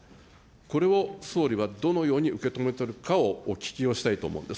これを総理はどのように受け止めてるかをお聞きをしたいと思うんです。